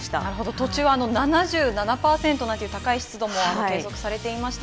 途中、７７％なんていう高い湿度も計測されていました。